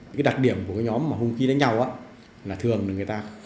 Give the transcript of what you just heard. cái đặc điểm của cái nhóm mà hùng khí đánh nhau đó là thường